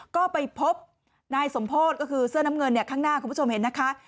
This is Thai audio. ก็ไปพบนายสมโพธิก็คือเสื้อน้ำเงินข้างหน้าคุณผู้ชมเห็นนะคะ